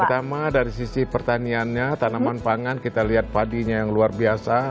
pertama dari sisi pertaniannya tanaman pangan kita lihat padinya yang luar biasa